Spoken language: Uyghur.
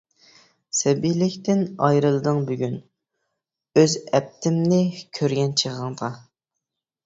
سەبىيلىكتىن ئايرىلدىڭ بۈگۈن، ئۆز ئەپتىمنى كۆرگەن چېغىڭدا.